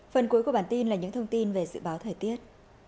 phần cuối của bản tin là những thông tin về dự báo thời tiết